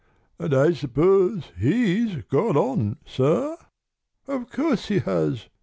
And I suppose he's gone on, sir?" "Of course he has!